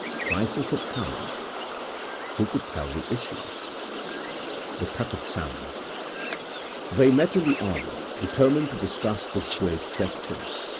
The crisis had come: who could tell the issue? The Tucket Sounds[edit] They met in the arbour, determined to discuss this grave question.